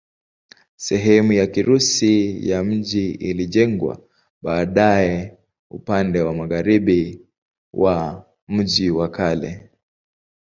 Sehemu ya Kirusi ya mji ilijengwa baadaye upande wa magharibi wa mji wa kale.